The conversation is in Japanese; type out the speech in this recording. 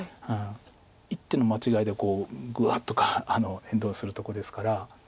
一手の間違いでグワッと変動するとこですから。